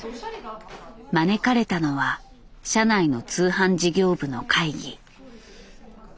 招かれたのは社内の通販事業部の会議。